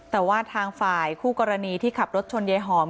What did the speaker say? แต่ว่าทางฝ่ายคู่กรณีที่ขับรถชนยายหอม